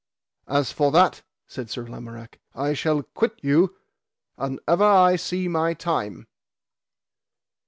As for that, said Sir Lamorak, I shall quit you, an ever I see my time.